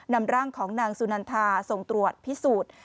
นำร่างของนางสุนันทาส่งตรวจพิสูจน์